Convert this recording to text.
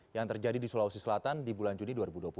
yang terjadi di sulawesi selatan di bulan juni dua ribu dua puluh satu